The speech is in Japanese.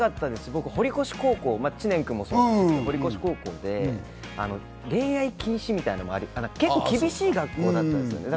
僕、堀越高校、知念君もそうなんですけど堀越高校で、恋愛禁止みたいなのが、結構、厳しい学校だったんです。